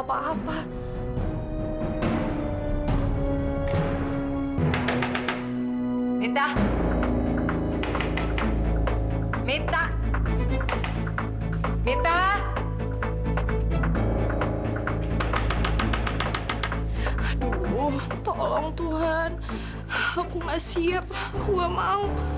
aduh tolong tuhan aku gak siap aku gak mau